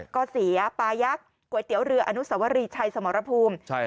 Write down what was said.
ก็เสียปลายักษ์ก๋วยเตี๋ยวเรืออนุสวรีชัยสมรภูมิ